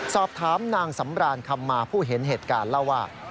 สอบถามนางสำรานคำมาผู้เห็นเหตุการณ์เล่าว่า